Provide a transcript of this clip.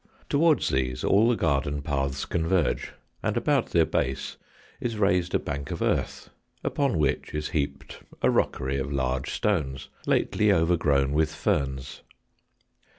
Towards these all the garden paths converge, and about their base is raised a bank of earth, upon which is heaped a rockery of large stones lately overgrown with ferns.